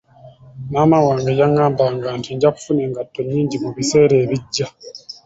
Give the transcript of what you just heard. Maama wange yangambanga nti nja kufuna engatto nyingi mu biseera ebijja.